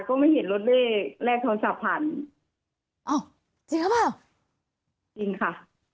ก็ไม่เห็นรถเลขแรกโทรศัพท์ผ่านอ้าวจริงหรือเปล่าจริงค่ะ